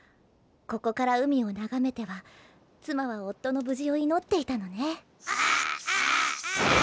ここから海を眺めては妻は夫の無事を祈っていたのね。